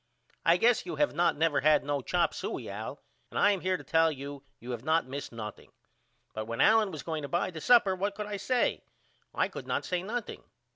I guess you have not never had no chop suye Al and I am here to tell you you have not missed nothing but when Allen was going to buy the supper what could I say? I could not say nothing.